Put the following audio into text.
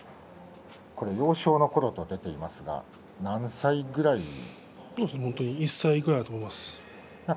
幼少のころと出ていますが何歳ぐらいですか？